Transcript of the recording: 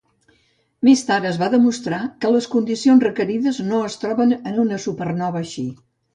Més tard es va demostrar que les condicions requerides no es troben en una supernova així.